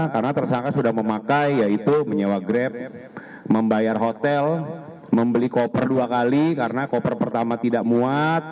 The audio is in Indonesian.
karena tersangka sudah memakai yaitu menyewa grab membayar hotel membeli koper dua kali karena koper pertama tidak muat